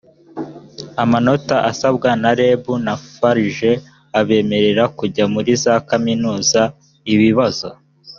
amanota asabwa na reb na farg abemerera kujya muri za kaminuza ibibazo